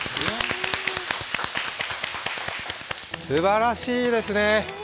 すばらしいですね。